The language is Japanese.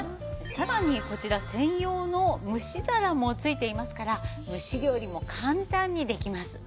さらにこちら専用の蒸し皿も付いていますから蒸し料理も簡単にできます。